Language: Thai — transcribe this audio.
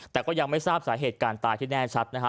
แต่ก็ยังไม่ทราบสาเหตุการตายที่แน่ชัดนะฮะ